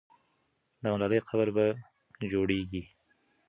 د ملالۍ قبر به جوړېږي.